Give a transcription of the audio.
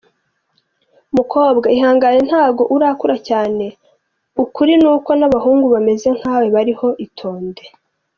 mukobwa ihangane ntago urakura cyane ukurinuko n’abahungu bameze nkawe bariho itonde.